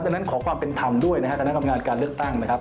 ดังนั้นขอความเป็นธรรมด้วยนะครับคณะกรรมการการเลือกตั้งนะครับ